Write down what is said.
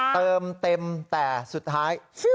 เติมเต็มแต่สุดท้าย